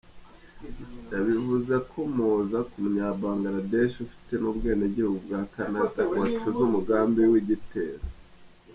Yabivuze akomoza ku munya Bangladeshi ufite n'ubwenegihugu bwa Canada, wacuze umugambi w'igitero.